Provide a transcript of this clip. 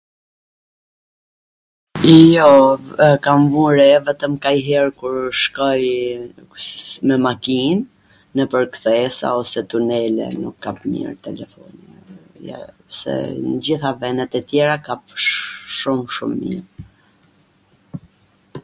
Jo, kam vu re vetwm kanjher kur shkoj me makin nwpwr kthesa ose tunele, nuk kam mir telefoni, jo, se nw t gjitha venet e tjera kap shum shum mir.